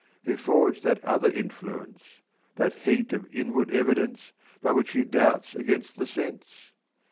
"Who forged that other influence, That heat of inward evidence, By which he doubts against the sense?